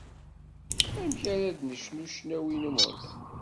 Amek ara d-necnu ccnawi n Umeɣlal?